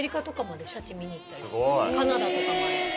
カナダとかまで。